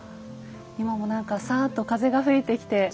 今も何かサーッと風が吹いてきて。